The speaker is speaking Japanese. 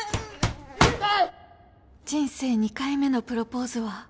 人生２回目のプロポーズは